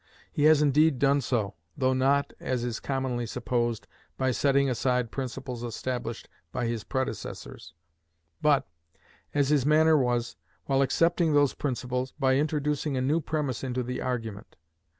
He has indeed done so, though not, as is commonly supposed, by setting aside principles established by his predecessors, but, as his manner was, while accepting those principles, by introducing a new premise into the argument.